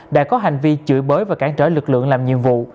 đã có hành vi chửi bới và cản trở lực lượng làm nhiệm vụ